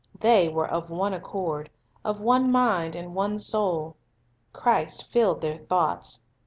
They were of "one accord," of "one mind and one soul." Christ filled their thoughts.